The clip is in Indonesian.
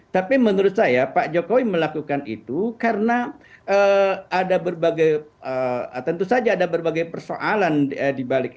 tapi menurut saya pak jokowi melakukan itu karena ada berbagai tentu saja ada berbagai persoalan dibalik